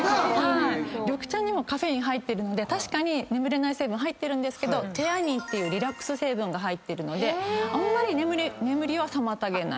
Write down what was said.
緑茶にもカフェイン入ってるので確かに眠れない成分入ってるんですがテアニンっていうリラックス成分が入ってるのであんまり眠りは妨げないと。